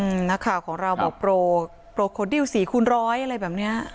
นักข่าวของเราบอกโปรโปรโคดิลสี่คูณร้อยอะไรแบบเนี้ย